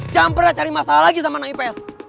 jangan pernah cari masalah lagi sama anak ips